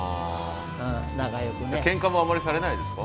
けんかもあんまりされないですか？